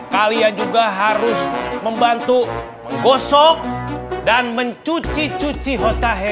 kalian juga harus membantu menggosok dan mencuci cuci hota